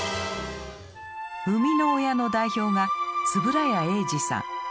生みの親の代表が円谷英二さん。